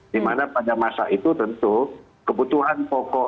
dimana pada masa itu tentu kebutuhan pokok